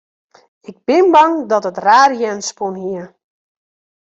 Ik bin bang dat it raar jern spûn hie.